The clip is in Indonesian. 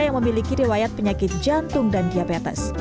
yang memiliki riwayat penyakit jantung dan diabetes